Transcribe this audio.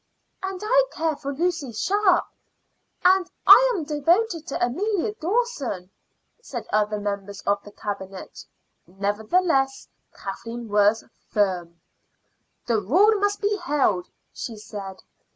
"And I care for Lucy Sharp"; "And I am devoted to Amelia Dawson," said other members of the Cabinet. Nevertheless Kathleen was firm. "The rule must be held," she said.